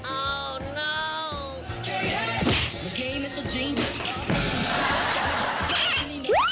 โอ้น้าว